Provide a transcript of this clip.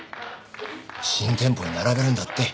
新店舗に並べるんだって。